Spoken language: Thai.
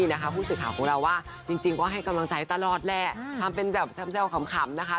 จริงเพราะให้กำลังใจตลอดแหละทำเป็นแบบแชมเซลล์ขำ